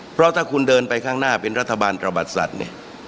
เพราะถ้าคุณเดินไปข้างหน้าเป็นรัฐบาลตระบัดสัตว์เนี่ย